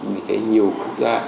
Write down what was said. vì thế nhiều quốc gia